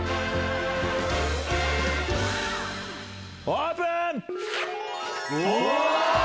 オープン！